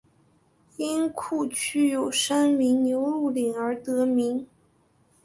因库区有山名牛路岭而得名。